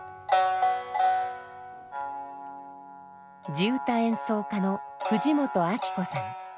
地唄演奏家の藤本昭子さん。